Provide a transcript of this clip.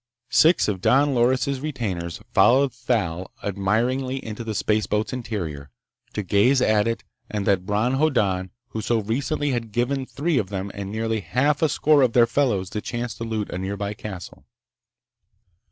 Six of Don Loris' retainers followed Thal admiringly into the spaceboat's interior, to gaze at it and that Bron Hoddan who so recently had given three of them and nearly half a score of their fellows the chance to loot a nearby castle.